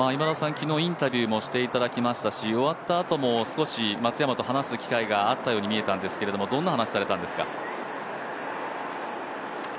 昨日、インタビューもしていただきましたし終わったあとも少し松山と話す機会があったように見えたんですけどどんな話をされたんですか？